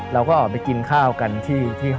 เราก็ออกไปกินข้าวกันที่ห้อง